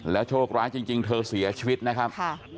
โชคร้ายจริงเธอเสียชีวิตนะครับ